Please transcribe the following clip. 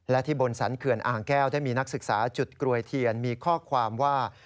และที่บนสรรเขื่อนอ่างแก้วได้มีนักศึกษาจุดกรวยเทียนมีข้อความว่า